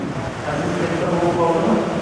Aziz katta bo`lib qoldimi